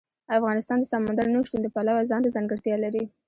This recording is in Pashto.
افغانستان د سمندر نه شتون د پلوه ځانته ځانګړتیا لري.